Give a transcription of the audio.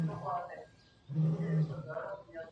د شاګرد او دوست تېروتنې په څېړنه کې مه پټوئ.